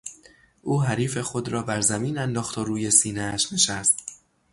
او حریف خود را بر زمین انداخت و روی سینهاش نشست.